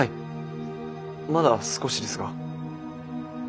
まだ少しですが。